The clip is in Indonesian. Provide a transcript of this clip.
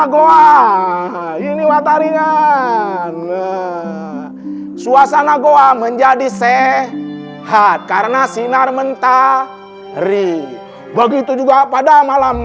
goa ini mata ringan suasana goa menjadi sehat karena sinar mentah ri begitu juga pada malam